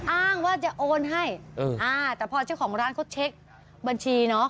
อ้างว่าจะโอนให้อ่าแต่พอเจ้าของร้านเขาเช็คบัญชีเนอะ